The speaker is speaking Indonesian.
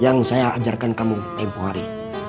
yang saya ajarkan kamu tempoh hari